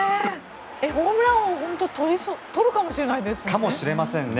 ホームラン王取るかもしれないですね。